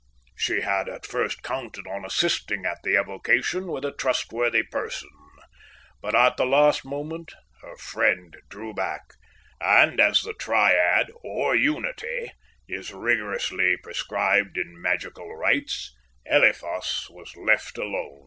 She had at first counted on assisting at the evocation with a trustworthy person, but at the last moment her friend drew back; and as the triad or unity is rigorously prescribed in magical rites, Eliphas was left alone.